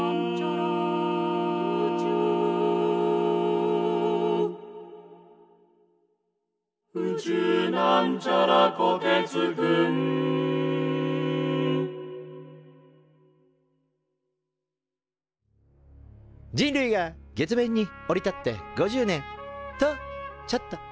「宇宙」人類が月面に降り立って５０年！とちょっと。